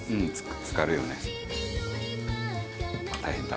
つかるよね。